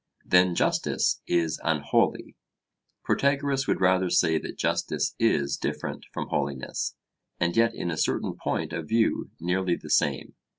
'Then justice is unholy.' Protagoras would rather say that justice is different from holiness, and yet in a certain point of view nearly the same.